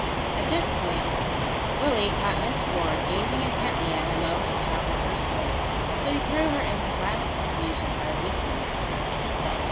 At this point Willie caught Miss Ward gazing intently at him over the top of her slate, so he threw her into violent confusion by winking at her.